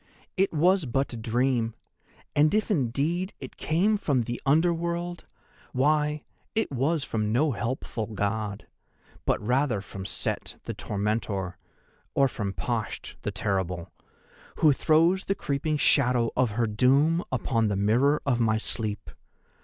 It was but a dream, and if indeed it came from the Under World, why, it was from no helpful God, but rather from Set, the Tormentor; or from Pasht, the Terrible, who throws the creeping shadow of her doom upon the mirror of my sleep.